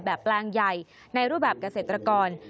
แปลงใหญ่ในรูปแบบเกษตรกร